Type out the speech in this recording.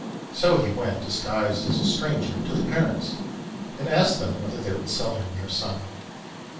So he went, disguised as a stranger, to the parents, and asked them whether they would sell him their son.